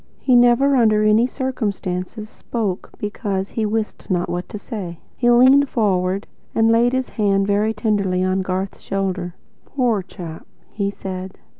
He never, under any circumstances, spoke BECAUSE he wist not what to say. He leaned forward and laid a hand very tenderly on Garth's shoulder. "Poor chap," he said.